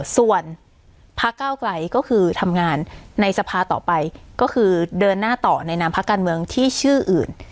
ส่วนพักเก้าไกลก็คือทำงานในสภาต่อไปก็คือเดินหน้าต่อในนามพักการเมืองที่ชื่ออื่น